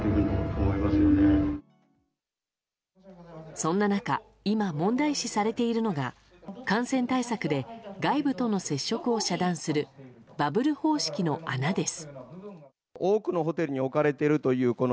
そんな中今、問題視されているのが感染対策で、外部との接触を遮断するバブル方式の穴です。